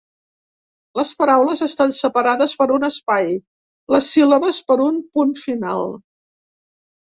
Les paraules estan separades per un espai, les síl·labes per un punt final.